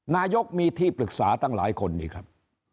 นายกมีที่ปรึกษาตั้งหลายคนนี่ครับ